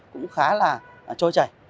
cũng khá là trôi chảy